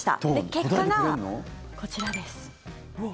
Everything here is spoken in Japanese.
結果がこちらです。